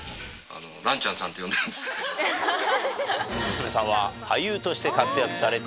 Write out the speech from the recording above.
娘さんは。